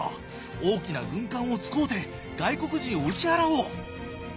大きな軍艦を使おて外国人を打ち払おう。